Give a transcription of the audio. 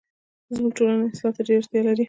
زموږ ټولنه اصلاح ته ډيره اړتیا لري